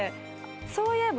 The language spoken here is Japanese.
そういえば。